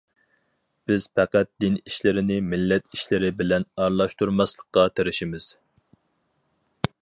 بىز پەقەت دىن ئىشلىرىنى مىللەت ئىشلىرى بىلەن ئارىلاشتۇرماسلىققا تىرىشىمىز.